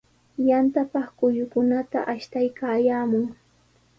Yantapaq kullukunata ashtaykaayaamun.